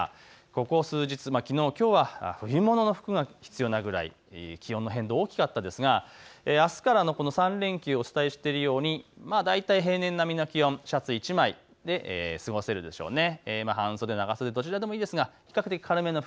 ここ数日、きのう、きょうは冬物の服が必要なぐらい、気温の変動が大きかったですが、あすからの３連休、お伝えしているように大体平年並みの気温、シャツ１枚で過ごせるでしょうね。